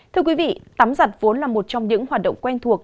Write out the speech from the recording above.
thưa quý vị tắm giặt vốn là một trong những hoạt động quen thuộc